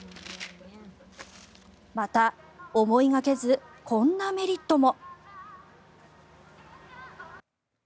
また、思いがけずこんなメリットも。